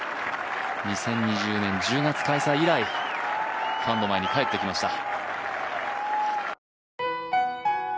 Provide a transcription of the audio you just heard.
２０２０年１０月開催以来、ファンの前に帰ってきました。